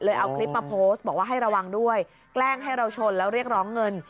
เอาคลิปมาโพสต์บอกว่าให้ระวังด้วยแกล้งให้เราชนแล้วเรียกร้องเงิน